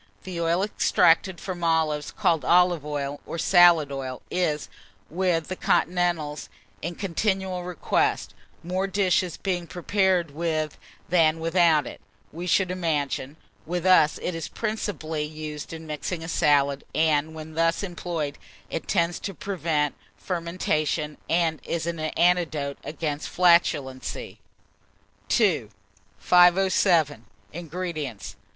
The oil extracted from olives, called olive oil, or salad oil, is, with the continentals, in continual request, more dishes being prepared with than without it, we should imagine. With us, it is principally used in mixing a salad, and when thus employed, it tends to prevent fermentation, and is an antidote against flatulency. II. 507. INGREDIENTS.